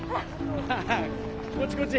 こっちこっち。